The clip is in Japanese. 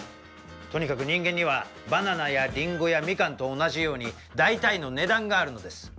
とにかく人間にはバナナやリンゴやミカンと同じように大体の値段があるのです。